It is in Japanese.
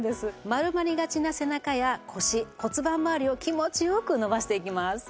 丸まりがちな背中や腰骨盤まわりを気持ちよく伸ばしていきます。